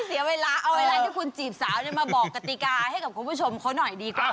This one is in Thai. เสียเวลาเอาเวลาที่คุณจีบสาวมาบอกกติกาให้กับคุณผู้ชมเขาหน่อยดีกว่า